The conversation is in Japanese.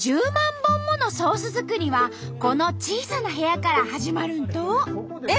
本ものソース作りはこの小さな部屋から始まるんと。